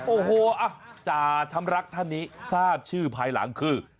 โอ้โหจ่าชำรักท่านนี้ทราบชื่อภายหลังคือ